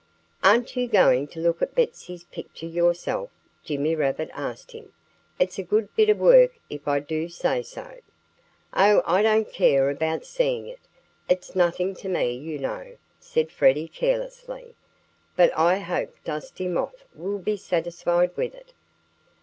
"Aren't you going to look at Betsy's picture yourself?" Jimmy Rabbit asked him. "It's a good bit of work, if I do say so." "Oh! I don't care about seeing it. It's nothing to me, you know," said Freddie carelessly. "But I hope Dusty Moth will be satisfied with it."